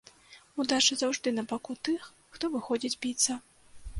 Удача заўжды на баку тых, хто выходзіць біцца.